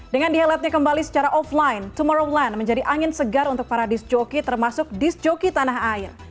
dengan diheletnya kembali secara offline tomorrowland menjadi angin segar untuk para disc jockey termasuk disc jockey tanah air